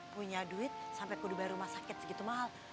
punya duit sampe kudu bayar rumah sakit segitu mahal